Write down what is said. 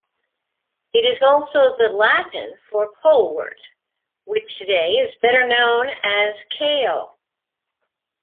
It is also the Latin for colewort, which today is better known as kale.